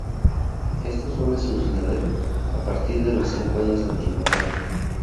Esto suele suceder a partir de los cinco años de antigüedad.